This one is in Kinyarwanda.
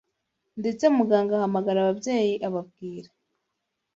ndetse Muganga ahamagara ababyeyi ababwira